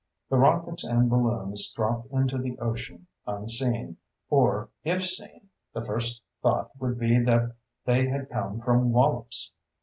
The rockets and balloons dropped into the ocean, unseen or, if seen, the first thought would be that they had come from Wallops.